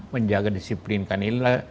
menjaga disiplin karena ini